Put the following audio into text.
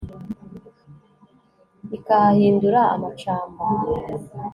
Ikahahindura amacamba